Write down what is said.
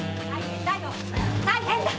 大変だよ！